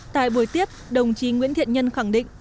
tại buổi tiếp đồng chí nguyễn thiện nhân khẳng định